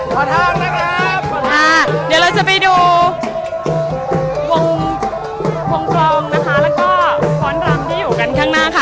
ขอโทษนะครับเดี๋ยวเราจะไปดูวงวงกรองนะคะแล้วก็ฟ้อนรำที่อยู่กันข้างหน้าค่ะ